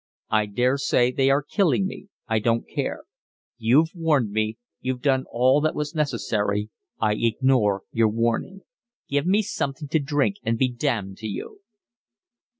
"I daresay they are killing me. I don't care. You've warned me, you've done all that was necessary: I ignore your warning. Give me something to drink and be damned to you."